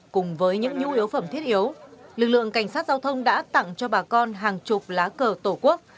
cùng với những nhu yếu phẩm thiết yếu lực lượng cảnh sát giao thông đã tặng cho bà con hàng chục lá cờ tổ quốc